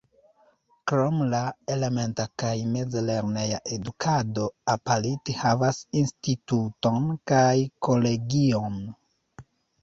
Krom la elementa kaj mezlerneja edukado Apalit havas instituton kaj kolegion.